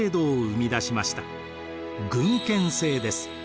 郡県制です。